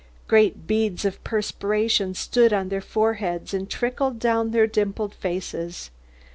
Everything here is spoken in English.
Great beads of perspiration stood on their foreheads and trickled down their dimpled faces.